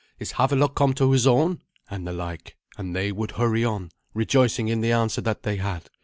Is Havelok come to his own?" and the like, and they would hurry on, rejoicing in the answer that they had.